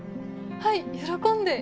はい喜んで。